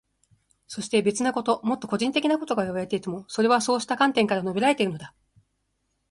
そして、別なこと、もっと個人的なことがいわれていても、それはそうした観点から述べられているのだ。